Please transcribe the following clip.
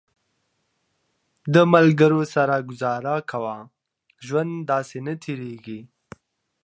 د ملګرو سره ګزاره کوه، ژوند داسې نه تېرېږي